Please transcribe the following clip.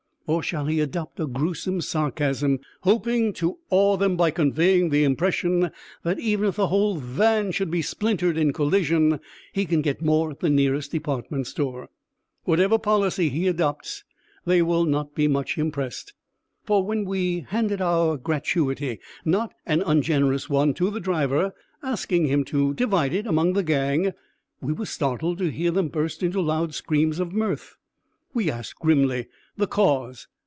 Or shall he adopt a gruesome sarcasm, hoping to awe them by conveying the impression that even if the whole van should be splintered in collision, he can get more at the nearest department store? Whatever policy he adopts, they will not be much impressed. For, when we handed our gratuity, not an ungenerous one, to the driver, asking him to divide it among the gang, we were startled to hear them burst into loud screams of mirth. We asked, grimly, the cause.